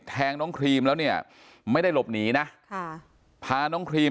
แทงน้องครีมแล้วเนี่ยไม่ได้หลบหนีนะค่ะพาน้องครีม